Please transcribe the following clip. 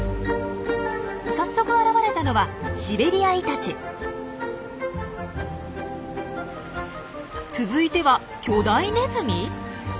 早速現れたのは続いては巨大ネズミ！？